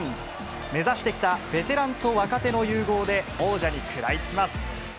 目指してきたベテランと若手の融合で、王者に食らいつきます。